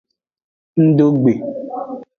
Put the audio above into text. Ngdo gbe.